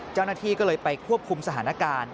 เจ้าหน้าที่ก็เลยไปควบคุมสถานการณ์